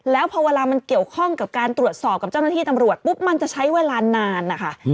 แล้วพอเวลามันเกี่ยวข้องกับการตรวจสอบกับเจ้าหน้าที่ตำรวจปุ๊บมันจะใช้เวลานานนะคะ